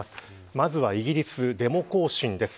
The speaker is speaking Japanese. まずはイギリスデモ行進です。